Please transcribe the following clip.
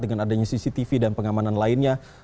dengan adanya cctv dan pengamanan lainnya